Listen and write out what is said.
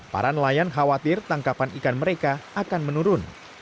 para nelayan khawatir tangkapan ikan mereka akan menurun